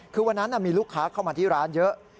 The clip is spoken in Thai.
คือวันนั้นมีลูกค้าเข้ามาที่ร้านเยอะ